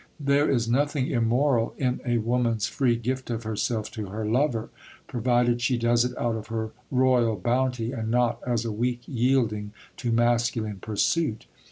There is nothing immoral in a woman's free gift of herself to her lover, provided she does it out of her royal bounty, and not as a weak yielding to masculine pursuit.